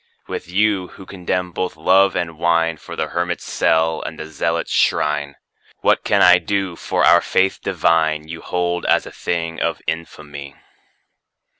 With you, who contemn both love and wine2 for the hermit's cell and the zealot's shrine, What can I do, for our Faith divine you hold as a thing of infamy?